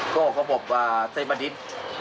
ก็ก็บอกว่าเศรษฐ์ประดิษฐ์